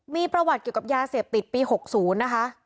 มีประวัติเกี่ยวกับยาเสพติดปี๖๐นะคะ